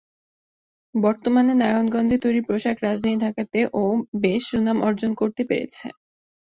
বর্তমানে নারায়ণগঞ্জের তৈরী পোশাক রাজধানী ঢাকাতে ও বেশ সুনাম অর্জন করতে পেরেছে।